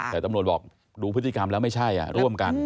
แต่ตำรวจบอกดูพฤติกรรมแล้วไม่ใช่ร่วมกัน